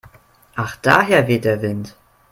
Ach daher weht der Wind.